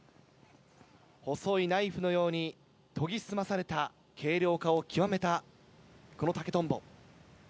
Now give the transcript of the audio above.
細いナイフのように研ぎ澄まされた軽量化を極めたこの竹とんぼ。